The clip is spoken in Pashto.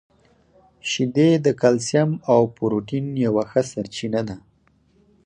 • شیدې د کلسیم او پروټین یوه ښه سرچینه ده.